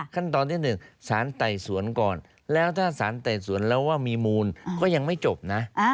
ขั้นตอนที่๑สารไต่สวนก่อนแล้วถ้าสารไต่สวนแล้วว่ามีมูลก็ยังไม่จบนะ